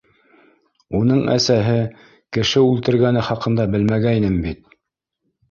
Уның әсәһе кеше үлтергәне хаҡында белмәгәйнем бит.